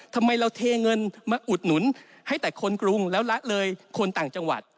ทำไมเราเทเงินมาอุดหนุนให้แต่คนกรุงแล้วละเลยคนต่างจังหวัด